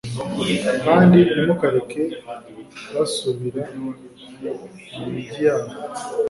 kandi ntimukareke basubira mu migi yabo